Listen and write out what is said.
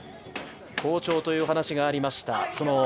好調という話もありました